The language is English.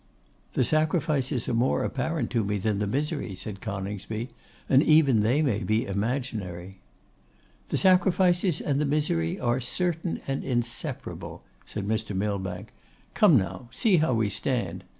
'The sacrifices are more apparent to me than the misery,' said Coningsby, 'and even they may be imaginary.' 'The sacrifices and the misery are certain and inseparable,' said Mr. Millbank. 'Come now, see how we stand!